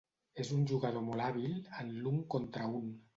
És un jugador molt hàbil en l'un contra un.